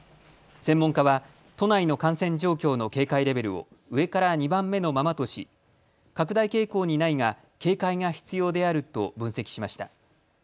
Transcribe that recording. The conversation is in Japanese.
専門家は都内の感染状況の警戒レベルを上から２番目のままとし拡大傾向にないが警戒が必要であると分析しました。